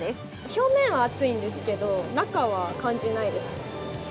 表面は暑いんですけど中は感じないですね。